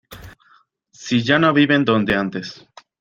Si ya no viven donde antes.